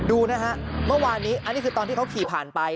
มีเสียงระเบิดดังขึ้นครับดูนะฮะเมื่อวานนี้อันนี้คือตอนที่เขาขี่ผ่านไป